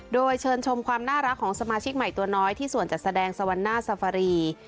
โดยเชิญชมความน่ารักของสมาชิกใหม่ตัวน้อยที่ส่วนจัดแสดงสวรรณาสฟรี